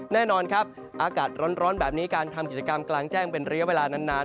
แน่นอนครับอากาศร้อนแบบนี้การทำกิจกรรมกลางแจ้งเป็นระยะเวลานาน